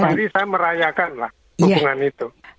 tidak berarti saya merayakanlah hubungan itu